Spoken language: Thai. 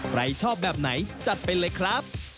ใครชอบแบบไหนจัดไปเลยครับ